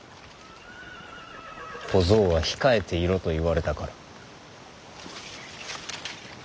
小僧は控えていろと言われたから。